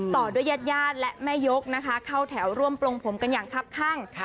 ต่อด้วยญาติญาติและแม่ยกนะคะเข้าแถวร่วมปลงผมกันอย่างคับข้าง